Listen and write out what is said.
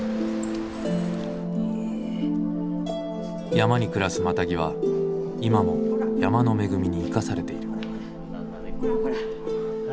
山に暮らすマタギは今も山の恵みに生かされている。